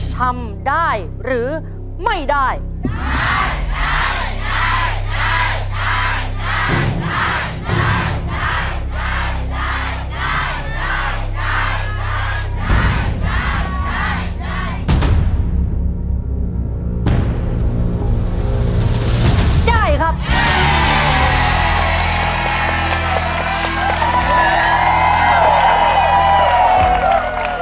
สำหรับเรื่องร้อยลูกปัดของพ่อเวทนะครับ